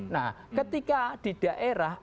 nah ketika di daerah